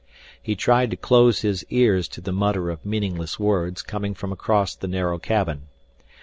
He tried to close his ears to the mutter of meaningless words coming from across the narrow cabin.